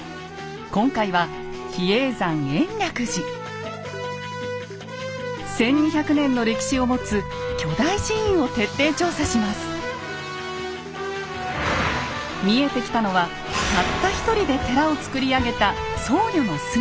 今回は１，２００年の歴史を持つ巨大寺院を見えてきたのはたった一人で寺をつくり上げた僧侶の姿。